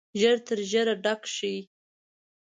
ژر تر ژره ډکه شي.